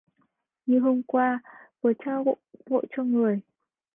Như hôm qua vừa trao vội cho người